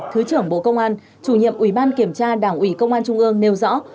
thứ trưởng bộ công an chủ nhiệm ủy ban kiểm tra đảng ủy công an trung ương nêu rõ